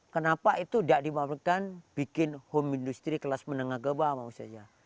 kenapa itu tidak diperlukan bikin industri kelas menengah kebama maksud saya